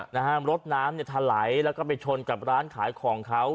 นะฮะรถน้ำเนี่ยถลายแล้วก็ไปชนกับร้านขายของเขา